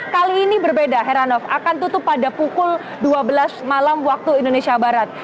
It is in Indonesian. kali ini berbeda heranov akan tutup pada pukul dua belas malam waktu indonesia barat